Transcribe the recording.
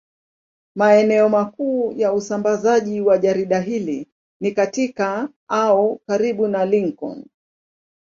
Maeneo makuu ya usambazaji wa jarida hili ni katika au karibu na Lincoln.